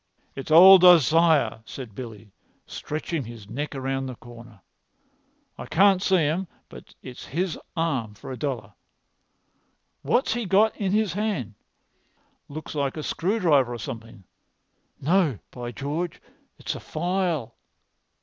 "It's old Isaiah," said Billy, stretching his neck round the corner. "I can't see him, but it's his arm[Pg 248] for a dollar. What's he got in his hand? Looks like a screwdriver or something. No, by George, it's a file."